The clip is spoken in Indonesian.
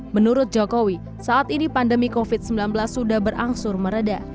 menurut jokowi saat ini pandemi covid sembilan belas sudah berangsur meredah